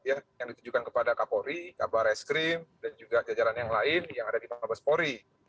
yang ditujukan kepada kapolri kabar eskrim dan juga jajaran yang lain yang ada di mabes polri